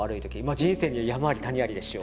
人生には山あり谷ありでしょ？